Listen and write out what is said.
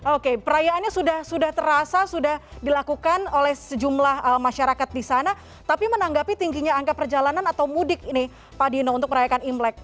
oke perayaannya sudah terasa sudah dilakukan oleh sejumlah masyarakat di sana tapi menanggapi tingginya angka perjalanan atau mudik ini pak dino untuk merayakan imlek